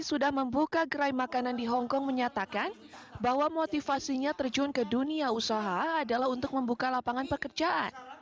untuk membuka lapangan pekerjaan